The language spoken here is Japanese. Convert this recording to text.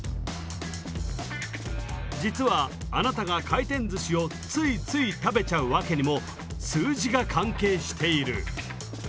実はあなたが回転ずしをついつい食べちゃうワケにも数字が関係している。